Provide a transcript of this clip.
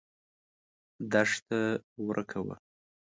دښته ورکه وه.